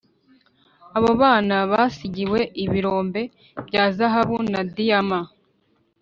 abo bana basigiwe ibirombe bya zahabu na diama